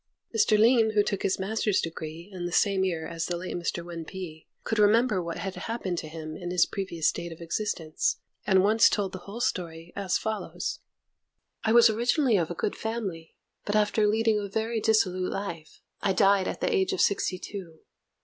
Mr. Lin, who took his master's degree in the same year as the late Mr. Wên Pi, could remember what had happened to him in his previous state of existence, and once told the whole story, as follows: I was originally of a good family, but, after leading a very dissolute life, I died at the age of sixty two.